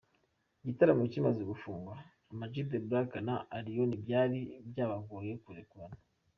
Igitaramo kimaze gufungwa, Am G The Black na Allioni byari byabagoye kurekurana.